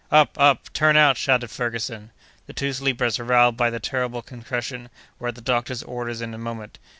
"Up! up! turn out!" shouted Ferguson. The two sleepers, aroused by the terrible concussion, were at the doctor's orders in a moment.